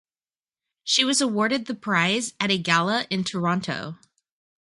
She was awarded the prize at a gala in Toronto.